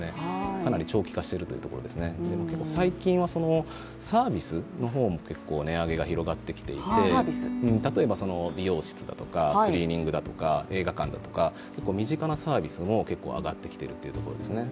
かなり長期化しているというところですね、最近はサービスも結構値上げが広がってきていて、例えば美容室だとかクリーニングだとか、映画館だとか、身近なサービスも結構上がってきているというところですね。